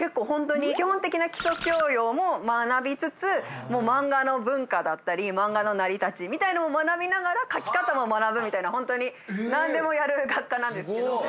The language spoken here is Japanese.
ホントに基本的な基礎教養も学びつつマンガの文化だったりマンガの成り立ちみたいなのも学びながら描き方も学ぶみたいなホントになんでもやる学科なんですけど。